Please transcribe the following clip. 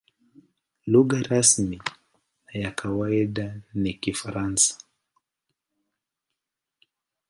Lugha rasmi na ya kawaida ni Kifaransa.